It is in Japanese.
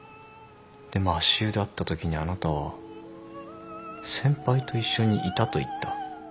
でも足湯で会ったときにあなたは「先輩と一緒にいた」と言った。